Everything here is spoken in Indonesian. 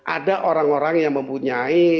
ada orang orang yang mempunyai